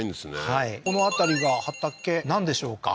はいこの辺りが畑なんでしょうか？